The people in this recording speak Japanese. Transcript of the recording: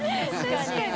確かに。